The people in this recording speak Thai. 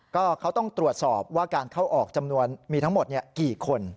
ก็เขาต้องตรวจสอบว่าการเข้าออกจำนวนมีทั้งหมดกี่คน